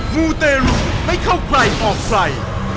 มูเตรุให้เข้าใกล้ออกใส่